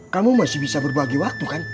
kamu masih bisa berbagi waktu kan